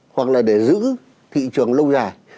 hoặc là để giữ thị trường lâu dài